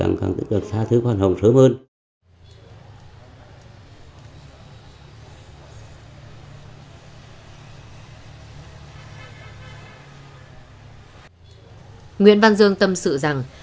nguyễn văn dương tâm sự rằng